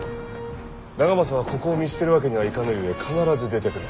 長政はここを見捨てるわけにはいかぬゆえ必ず出てくる。